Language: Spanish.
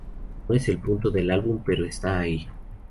No es el punto del álbum, pero está ahí".